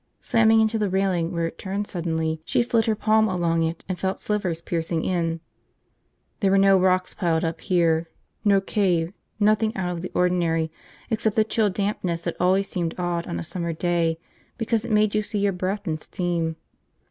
Slamming into the railing where it turned suddenly, she slid her palm along it and felt slivers piercing in. There were no rocks piled up here, no cave, nothing out of the ordinary except the chill dampness that always seemed odd on a summer day because it made you see your breath in steam.